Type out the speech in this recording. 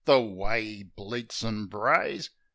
The way 'e bleats an' brays!